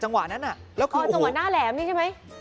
จังหวะหน้าแหลมเกียว